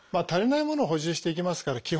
足りないものを補充していきますから